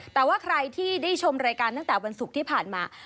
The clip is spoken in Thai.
แต่ว่าใครที่ได้ชมรายการตั้งแต่วันศุกร์ที่ผ่านมา